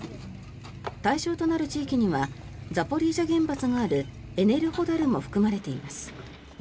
対象となる地域にはザポリージャ原発があるエネルホダルも含まれています。